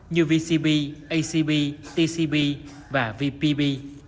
như sdp tcb và vpp